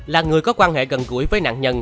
là người có quan hệ gần gũi với nạn nhân